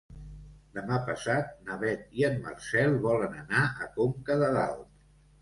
Demà passat na Beth i en Marcel volen anar a Conca de Dalt.